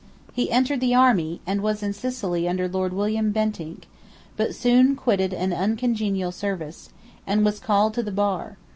He entered the army, and was in Sicily under Lord William Bentinck; but soon quitted an uncongenial service, and was called to the Bar.